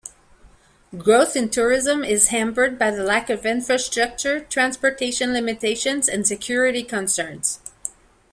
Growth in tourism is hampered by lack of infrastructure, transportation limitations and security concerns.